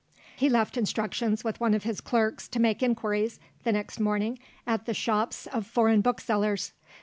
He left instructions with one of his clerks to make inquiries, the next morning, at the shops of foreign booksellers.